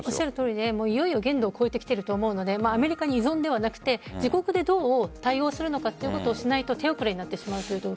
いよいよ限度を超えてきてると思うのでアメリカに依存ではなく自国でどう対応するのかということをしないと手遅れになってしまうと思う。